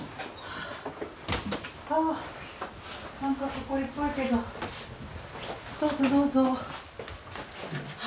あ何かほこりっぽいけどどうぞどうぞ。